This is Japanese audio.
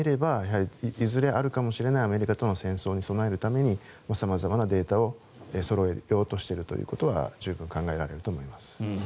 広い目で見ればいずれあるかもしれないアメリカとの戦争に備えて色々なデータを集めているということは十分考えられると思います。